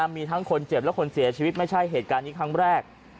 มีทั้งคนเจ็บและคนเสียชีวิตไม่ใช่เหตุการณ์นี้ครั้งแรก